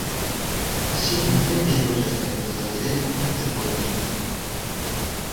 Ŝi nuntempe loĝas en Los-Anĝeleso, Kalifornio.